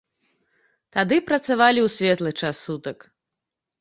Тады працавалі ў светлы час сутак.